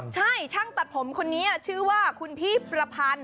ใช่ช่างตัดผมคนนี้ชื่อว่าคุณพี่ประพันธ์